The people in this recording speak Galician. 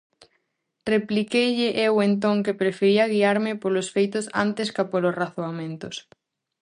Repliqueille eu entón que prefería guiarme polos feitos antes ca polos razoamentos.